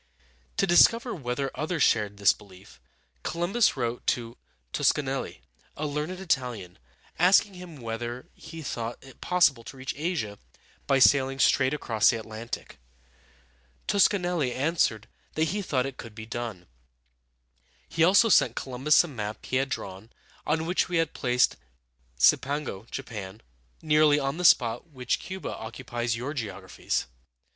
To discover whether others shared this belief, Columbus wrote to Tos ca nel´li, a learned Italian, asking him whether he thought it possible to reach Asia by sailing straight across the Atlantic. Toscanelli answered that he thought it could be done. He also sent Columbus a map he had drawn, on which he had placed Cipango (Japan) nearly on the spot which Cu´ba occupies in your geographies.